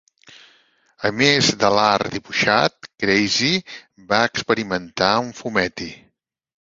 A més de l'art dibuixat, "Crazy" va experimentar amb fumetti.